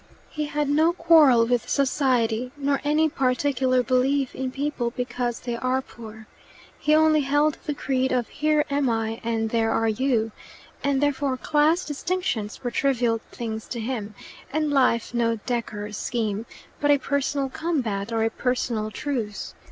He had no quarrel with society, nor any particular belief in people because they are poor. He only held the creed of "here am I and there are you," and therefore class distinctions were trivial things to him, and life no decorous scheme, but a personal combat or a personal truce.